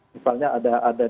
misalnya ada di sini